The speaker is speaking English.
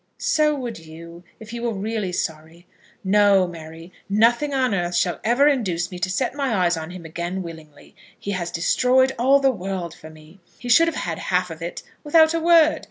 "So would you, if he were really sorry." "No, Mary; nothing on earth shall ever induce me to set my eyes on him again willingly. He has destroyed all the world for me. He should have had half of it without a word.